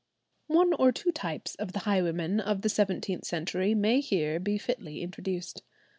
One or two types of the highwaymen of the seventeenth century may here be fitly introduced.